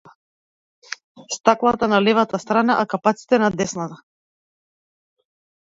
Стаклата на левата страна, а капаците на десната.